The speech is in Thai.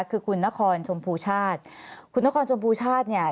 คือคุณนครชมพูชาติคุณนครชมพูชาติเนี่ย